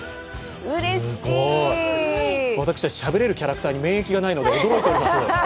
すごい、私たち、しゃべれるキャラクターに免疫がないので驚いています。